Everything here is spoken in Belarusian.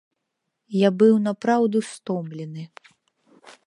Я быў напраўду стомлены.